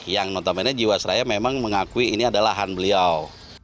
yang notamennya jiwasraya memang mengakui ini adalah lahan beliau